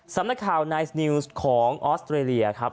สำนักข่าวนายสนิวส์ของออสเตรเลียครับ